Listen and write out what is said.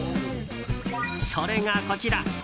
それが、こちら。